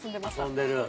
遊んでる。